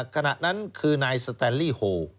ขณะนั้นคือนายสแตนลี่โฮ